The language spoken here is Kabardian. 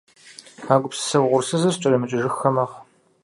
А гупсысэ угъурсызыр скӀэрымыкӀыжыххэ мэхъу.